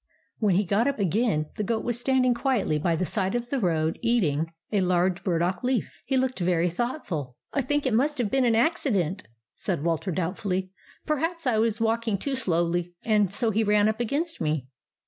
When he got up again, the goat was standing quietly by the side of the road eating WALTER AND THE GOAT 83 a large burdock leaf. He looked very thoughtful. " I think it must have been an accident," said Walter, doubtfully. " Perhaps I was walking too slowly, and so he ran up against me."